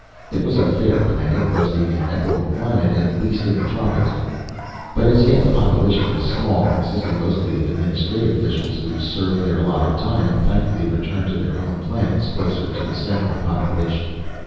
It was a fair planet boasting an equable climate, at least in the tropic zone. But as yet the population was small, consisting mostly of administrative officials who served their alloted time and thankfully returned to their home planets closer to the center of population.